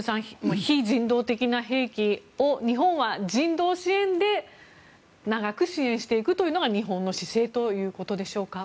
非人道的な兵器を日本は人道支援で長く支援していくというのが日本の姿勢ということでしょうか。